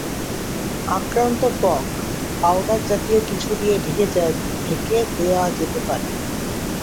আক্রান্ত ত্বক পাউডার জাতীয় কিছু দিয়ে ঢেকে দেয়া যেতে পারে।